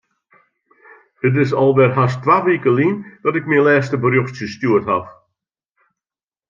It is alwer hast twa wike lyn dat ik myn lêste berjochtsje stjoerd haw.